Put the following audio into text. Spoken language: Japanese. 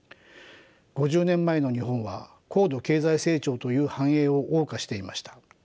５０年前の日本は高度経済成長という繁栄を謳歌していました。